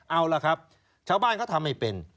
เอาล่ะครับชาวบ้านเขาทำไม่เป็น